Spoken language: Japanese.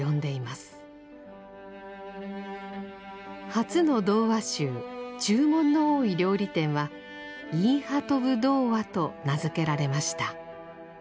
初の童話集「注文の多い料理店」は「イーハトヴ童話」と名付けられました。